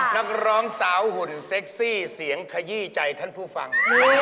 นักร้องสาวหุ่นเซ็กซี่เสียงขยี้ใจท่านผู้ฟัง